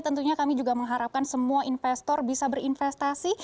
tentunya kami juga mengharapkan semua investor bisa berinvestasi